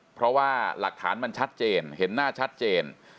เพราะว่าหลักฐานมันชัดเจนเห็นหน้าชัดเจน